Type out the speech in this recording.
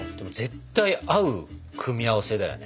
絶対合う組み合わせだよね。